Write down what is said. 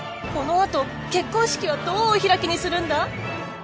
このあと結婚式はどうお開きにするんだ？